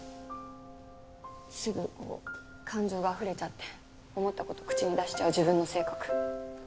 すぐ感情があふれちゃって思った事口に出しちゃう自分の性格。